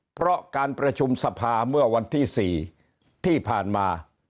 เพราะการประชุมสภาเมื่อวันที่๔ที่ผ่านมา